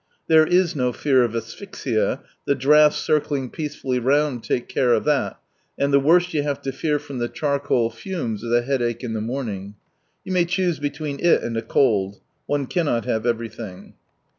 There is no fear of asphyxia, the draughts circling peacefully round, take care of that, and the worst you have to fear from the char coal fumes is a headache in the morning. You may choose between it and a cold. One cannot have everything